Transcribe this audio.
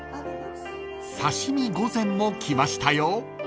［刺身御膳も来ましたよ］